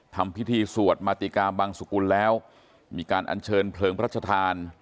ทำพิธีสวดมาติกาบังสุกุลแล้วมีการอัญเชิญเพลิงพระชธาน